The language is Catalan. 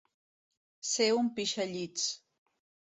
Ser un pixallits.